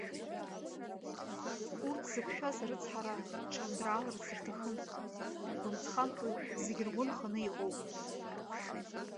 Урҭ зықәшәаз арыцҳара рҽандрааларц рҭахым, игәамҵхамҵуеит, зегь ргәы нханы иҟоуп.